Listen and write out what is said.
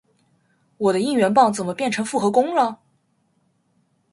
我的应援棒怎么变成复合弓了？